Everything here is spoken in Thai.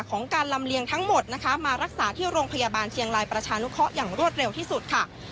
ของการลำเลียงทั้งหมดนะคะมารักษาที่โรงพยาบาลเชียงรายประชานุเคราะห์อย่างรวดเร็วที่สุดค่ะ